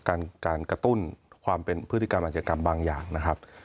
การการกระตุ้นความเป็นพฤติกรรมอาจกรรมบางอย่างนะครับ